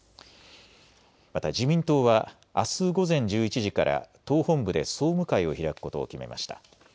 また自民党はあす午前１１時から党本部で総務会を開くことを決めました。